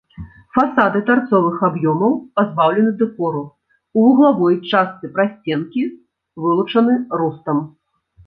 Фасады тарцовых аб'ёмаў пазбаўлены дэкору, у вуглавой частцы прасценкі вылучаны рустам.